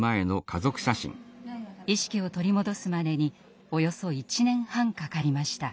意識を取り戻すまでにおよそ１年半かかりました。